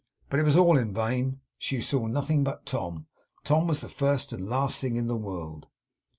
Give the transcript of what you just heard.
But it was all in vain. She saw nothing but Tom. Tom was the first and last thing in the world.